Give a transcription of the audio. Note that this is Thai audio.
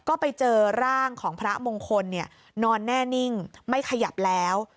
ก็ไปเจอร่างของพระมงคลนอนแน่นิ่งไม่ขยับแล้ว